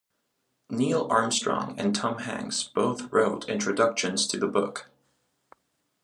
Neil Armstrong and Tom Hanks both wrote introductions to the book.